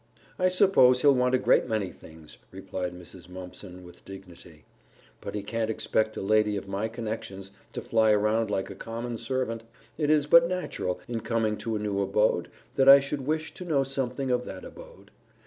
"I suppose he'll want a great many things," replied Mrs. Mumpson with dignity, "but he can't expect a lady of my connections to fly around like a common servant. It is but natural, in coming to a new abode, that I should wish to know something of that abode.